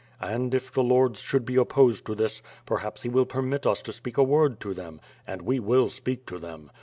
And, if the lords should be opposed to this, perhaps he will permit us to speak a word to them — and we will speak to them.